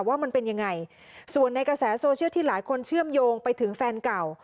ว่ามันเป็นยังไงส่วนในกระแสโซเชียลที่หลายคนเชื่อมโยงไปถึงแฟนเก่า